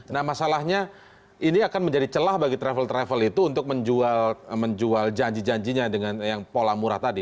nah masalahnya ini akan menjadi celah bagi travel travel itu untuk menjual janji janjinya dengan yang pola murah tadi